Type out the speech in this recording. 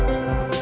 dari anjuran dekat